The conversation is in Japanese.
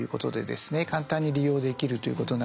簡単に利用できるということなんですけども。